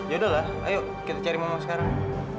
yaudah lah ayo kita cari mama sekarang